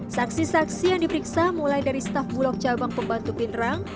saksi saksi yang diperiksa mulai dari staf bulog cabang pembantu pindrang